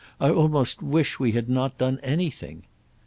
I almost wish we had not done anything."